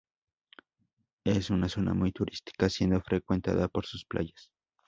Es una zona muy turística, siendo frecuentada por sus playas.